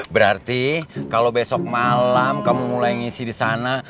berarti kalo besok malam kamu mulai ngisi disana